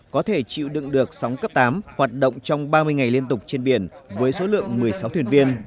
có thể chịu đựng được sóng cấp tám hoạt động trong ba mươi ngày liên tục trên biển với số lượng một mươi sáu thuyền viên